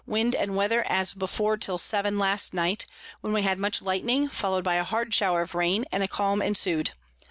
_ Wind and Weather as before till seven last night, when we had much Lightning follow'd by a hard Shower of Rain, and a Calm ensu'd.